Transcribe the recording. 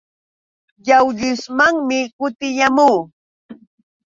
Yawyusmanmi kutiyaamuu.